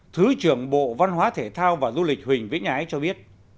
thứ trưởng bộ văn hóa thể thao và du lịch huỳnh vĩnh ái cho biết